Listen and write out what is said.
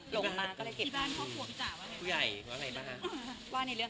หลงมาก็ได้เก็บมากที่บ้านครอบครัวพี่จ๋าว่าผู้ใหญ่ว่าอะไรป่ะค่ะ